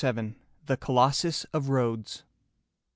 CVII. THE COLOSSUS OF RHODES.